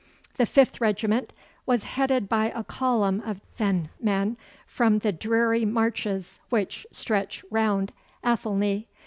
The fifth regiment was headed by a column of fen men from the dreary marches which stretch round Athelney.